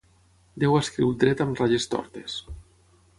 Déu escriu dret amb ratlles tortes.